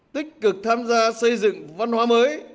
tích cực tham gia xây dựng văn hóa mới